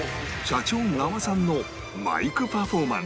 社長那波さんのマイクパフォーマンス